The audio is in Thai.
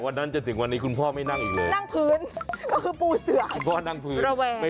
วันหลังเวลาลุกยกเก้าอี้ด้วยนะ